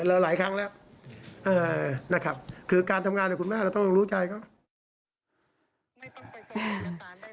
แล้วหลายครั้งแล้วคือการทำงานกับคุณแม่เราต้องรู้ใจเขา